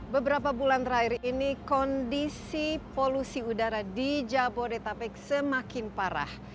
beberapa bulan terakhir ini kondisi polusi udara di jabodetabek semakin parah